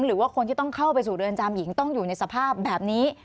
หรือว่าคนที่ต้องเข้าไปสู่เรือนจำหญิงต้องอยู่ในสภาพแบบนี้